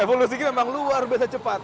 evolusi game memang luar biasa cepat